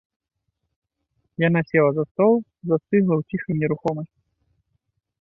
Яна села за стол, застыгла ў ціхай нерухомасці.